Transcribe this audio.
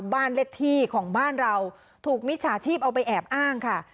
บ้านเลขที่ของบ้านเราถูกมิจฉาชีพเอาไปแอบอ้างค่ะ